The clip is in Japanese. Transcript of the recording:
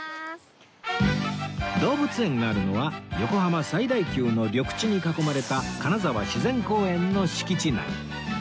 動物園があるのは横浜最大級の緑地に囲まれた金沢自然公園の敷地内